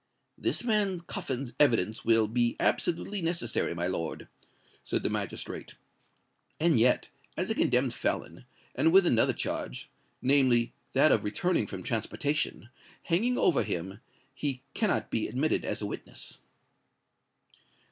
"This man Cuffin's evidence will be absolutely necessary, my lord," said the magistrate; "and yet, as a condemned felon, and with another charge—namely, that of returning from transportation—hanging over him, he cannot be admitted as a witness."